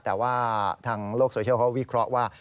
แต่ว่าทางโลกโซเชียลเขาวิเคราะห์ว่า